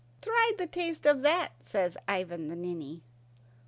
"Try the taste of that," says Ivan the Ninny.